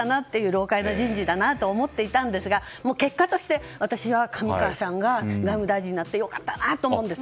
老獪な人事だなと思ってたんですが結果として、私は上川さんが外務大臣になって良かったなと思うんです。